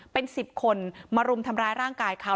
เป็น๑๐คนมารุมทำร้ายร่างกายเขา